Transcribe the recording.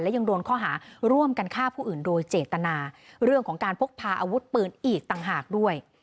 ยังโดนข้อหาร่วมกันฆ่าผู้อื่นโดยเจตนาเรื่องของการพกพาอาวุธปืนอีกต่างหากด้วย